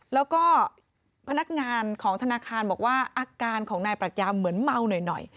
แล้วก็พนักงานของธนาคารบอกว่าอาการของนายปรัชญาเหมือนเมาหน่อย